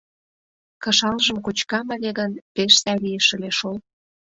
Кышалжым кочкам ыле гын, пеш сай лиеш ыле шол...